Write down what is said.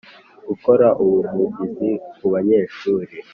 Gukora ubuvugizi ku banyeshuri